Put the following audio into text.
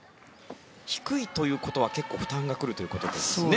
低いということは結構、負担が来るということですね。